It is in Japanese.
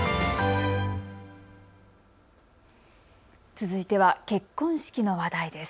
続いては結婚式の話題です。